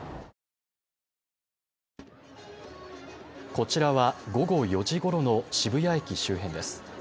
こちらは午後４時ごろの渋谷駅周辺です。